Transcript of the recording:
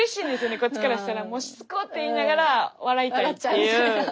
こっちからしたらもうしつこ！って言いながら笑いたいっていう感じです。